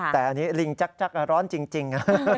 แต่ลิงจักจักร้อนจริง